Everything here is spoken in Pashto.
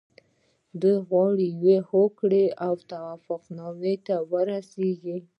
دوی غواړي یوې هوکړې او توافق ته ورسیږي.